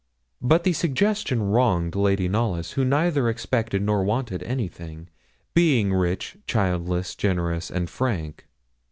But the suggestion wronged Lady Knollys, who neither expected nor wanted anything, being rich, childless, generous, and frank.